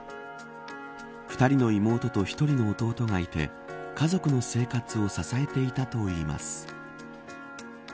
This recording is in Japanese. ２人の妹と１人の弟がいて家族の生活を支えていたといいます。